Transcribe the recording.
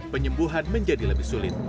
penyembuhan menjadi lebih sulit